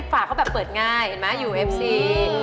ฝากเขาแบบเปิดง่ายอยู่เอฟซี